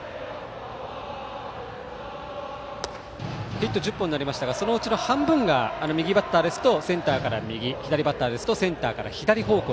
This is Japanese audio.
ヒット１０本になりましたがそのうちの半分が右バッターですとセンターから右左バッターですとセンターから左方向。